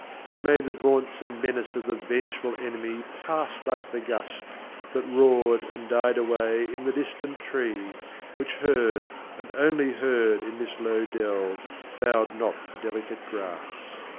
and may the vaunts And menace of the vengeful enemy Pass like the gust, that roared and died away In the distant tree : which heard, and only heard In this low dell, bowed not the delicate grass.